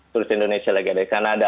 terus indonesia lagi ada di kanada